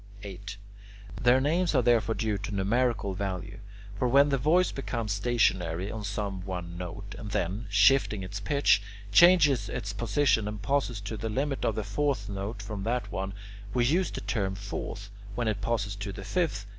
8. Their names are therefore due to numerical value; for when the voice becomes stationary on some one note, and then, shifting its pitch, changes its position and passes to the limit of the fourth note from that one, we use the term "fourth"; when it passes to the fifth, the term is "fifth."